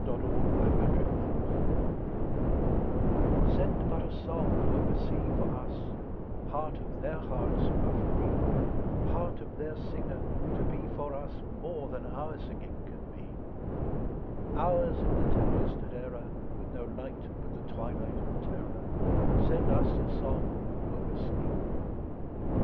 TO WALT WHITMAN IN AMERICA SEND but a song oversea for us, Heart of their hearts who are free, Heart of their singer, to be for us More than our singing can be; Ours, in the tempest at error, With no light but the twilight of terror; Send us a song oversea!